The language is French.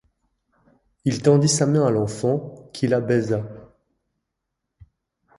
Il tendit sa main à l’enfant, qui la baisa.